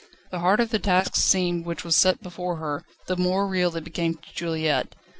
The harder the task seemed which was set before her, the more real it became to Juliette.